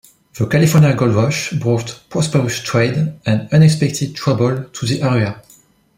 The California Gold Rush brought prosperous trade and unexpected trouble to the area.